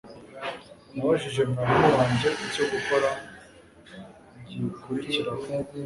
Nabajije mwarimu wanjye icyo gukora gikurikiraho